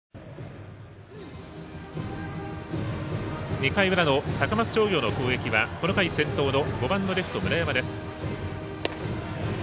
２回の裏の高松商業の攻撃はこの回、先頭の５番のレフト村山です。